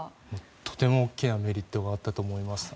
とても大きなメリットがあったと思います。